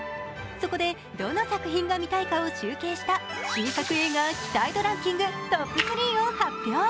そこでどの作品が見たいかを集計した新作映画期待度ランキングトップ３を発表。